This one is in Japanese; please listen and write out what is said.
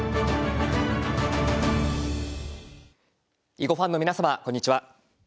囲碁ファンの皆様こんにちは。